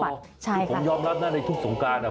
คือผมยอมรับหน้าในทุกสงกรานนะ